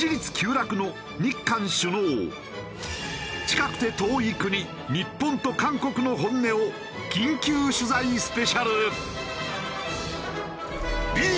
近くて遠い国日本と韓国の本音を緊急取材スペシャル。